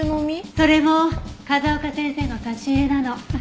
それも風丘先生の差し入れなの。